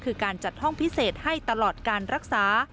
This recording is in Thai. คือการจัดห้องพิเศษให้ตลอดการรักษา